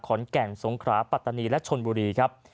ขอนแก่นสงขราปัตตานีและชนบุรีครับ